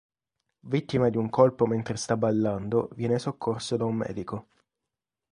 Vittima di un colpo mentre sta ballando, viene soccorso da un medico.